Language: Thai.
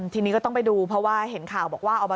ทีนี้ก็ต้องไปดูเพราะว่าเห็นข่าวบอกว่า